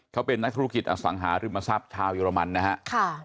เขาเป็นนักธุรกิจอสังหาริมทรัพย์ชาวเยอรมันนะฮะ